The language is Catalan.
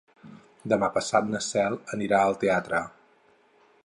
Demà passat na Cel anirà al teatre.